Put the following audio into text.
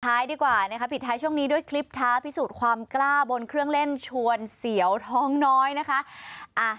ดีกว่านะคะปิดท้ายช่วงนี้ด้วยคลิปท้าพิสูจน์ความกล้าบนเครื่องเล่นชวนเสียวท้องน้อยนะคะ